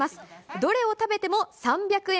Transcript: どれを食べても３００円。